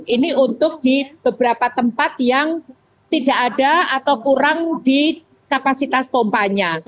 ini untuk di beberapa tempat yang tidak ada atau kurang di kapasitas pompanya